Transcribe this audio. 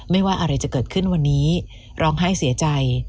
ว่าอะไรจะเกิดขึ้นวันนี้ร้องไห้เสียใจ